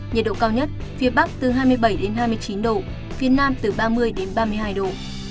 nhiệt độ cao nhất phía bắc từ hai mươi bảy đến hai mươi chín độ phía nam từ ba mươi đến ba mươi hai độ